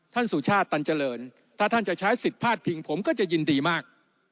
สุชาติตันเจริญถ้าท่านจะใช้สิทธิ์พาดพิงผมก็จะยินดีมาก